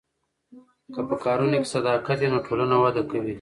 که په کارونو کې صداقت وي نو ټولنه وده کوي.